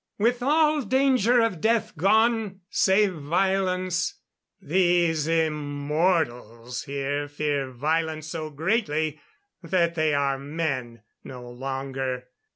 With all danger of death gone save violence these immortals here fear violence so greatly that they are men no longer!